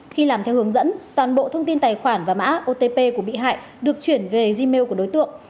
khi làm theo hướng dẫn toàn bộ thông tin tài khoản và mã otp của bị hại được chuyển về zai của đối tượng